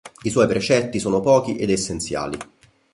I suoi precetti sono pochi ed essenziali.